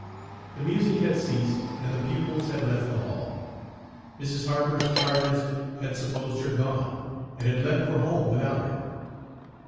The music had ceased and the pupils had Page 56 left the hall. Mrs. Harper's charges had supposed her gone, and had left for home without her.